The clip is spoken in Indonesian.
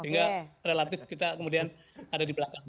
sehingga relatif kita kemudian ada di belakang